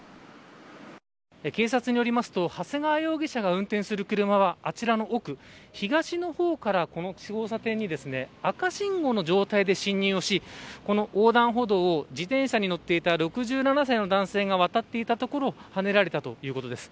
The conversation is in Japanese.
警察によりますと長谷川容疑者が運転する車はあちらの奥東の方からこの交差点に赤信号の状態で侵入をしこの横断歩道を自転車に乗っていた６７歳の男性が渡っていたところをはねられたということです。